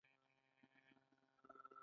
کاري ځواک هم باید ځانګړی مصرفي ارزښت ولري